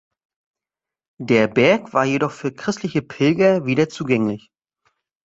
Der Berg war jedoch für christliche Pilger wieder zugänglich.